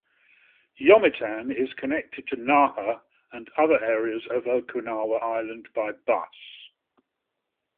Yomitan is connected to Naha and other areas of Okinawa Island by bus.